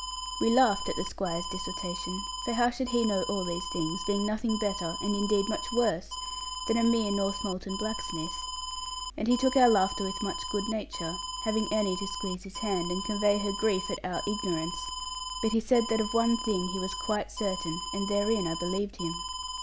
We laughed at the Squire's dissertation; for how should he know all these things, being nothing better, and indeed much worse than a mere Northmolton blacksmith? He took our laughter with much good nature; having Annie to squeeze his hand and convey her grief at our ignorance: but he said that of one thing he was quite certain, and therein I believed him.